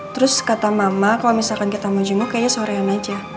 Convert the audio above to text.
terus kata mama kalau misalkan kita mau jenguk kayaknya sore yang meja